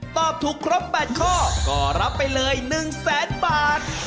ตอบถูกครบ๘ข้อก็รับไปเลย๑แสนบาท